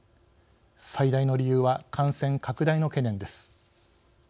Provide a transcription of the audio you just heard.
最大の理由は感染拡大の懸念です。